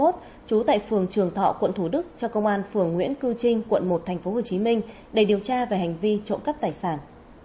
trú tại phường trường thọ quận thủ đức cho công an phường nguyễn cư trinh quận một tp hcm để điều tra về hành vi trộm cắp tài sản